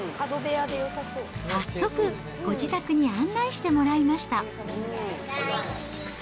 早速、ご自宅に案内してもらいました。